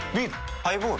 ハイボール？